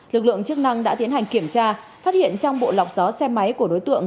lực lượng chức năng đã tiến hành kiểm tra phát hiện trong bộ lọc gió xe máy của đối tượng